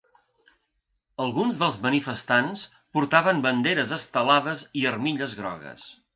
Alguns dels manifestants portaven banderes estelades i armilles grogues.